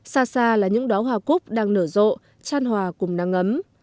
xa xa là những đó hoa cúc đang nở rộ tràn hòa cùng nắng ấm